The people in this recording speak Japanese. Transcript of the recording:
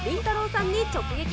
さんに直撃。